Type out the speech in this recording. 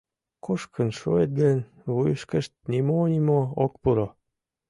Кушкын шуыт гын, вуйышкышт нимо-нимо ок пуро.